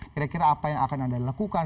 kira kira apa yang akan anda lakukan